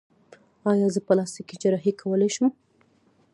ایا زه پلاستیکي جراحي کولی شم؟